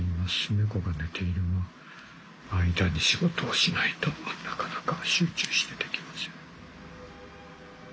猫が寝ている間に仕事をしないとなかなか集中してできません。